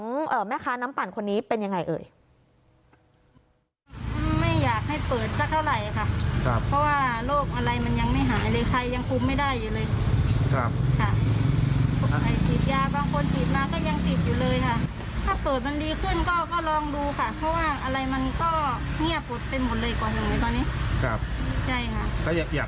ฉีดยาบางคนฉีดมาก็ยังฉีดอยู่เลยค่ะ